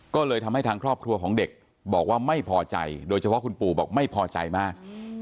ก็เลยทำให้ทางครอบครัวของเด็กบอกว่าไม่พอใจโดยเฉพาะคุณปู่บอกไม่พอใจมาก